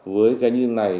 với cái như thế này